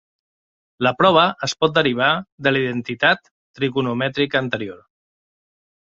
La prova es pot derivar de la identitat trigonomètrica anterior.